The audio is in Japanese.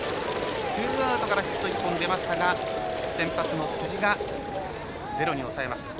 ツーアウトからヒット１本出ましたが先発の辻がゼロに抑えました。